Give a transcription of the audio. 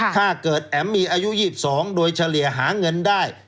แถมแอ๋มมีอายุ๒๒โดยเฉลี่ยหาเงินได้